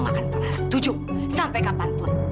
aku akan pernah setuju sampai kapanpun